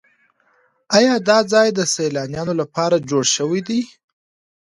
ایا دا ځای د سیلانیانو لپاره جوړ شوی دی؟